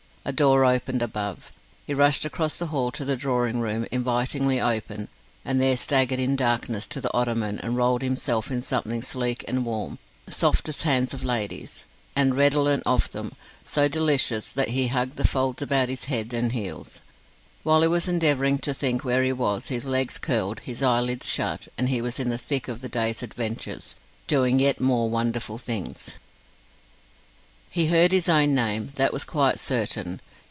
A door opened above. He rushed across the hall to the drawing room, invitingly open, and there staggered in darkness to the ottoman and rolled himself in something sleek and warm, soft as hands of ladies, and redolent of them; so delicious that he hugged the folds about his head and heels. While he was endeavouring to think where he was, his legs curled, his eyelids shut, and he was in the thick of the day's adventures, doing yet more wonderful things. He heard his own name: that was quite certain.